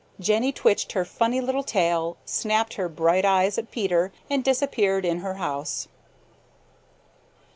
Jenny twitched her funny little tail, snapped her bright eyes at Peter, and disappeared in her house.